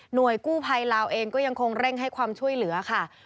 โดยกู้ภัยลาวเองก็ยังคงเร่งให้ความช่วยเหลือค่ะ